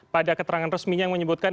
pada keterangan resminya yang menyebutkan